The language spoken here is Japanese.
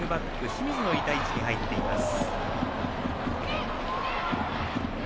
清水のいた位置に入っています。